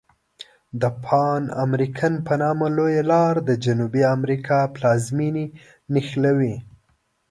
د پان امریکن په نامه لویه لار د جنوبي امریکا پلازمیني نښلولي.